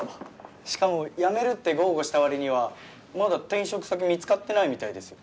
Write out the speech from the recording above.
しかも辞めるって豪語した割にはまだ転職先見つかってないみたいですよ。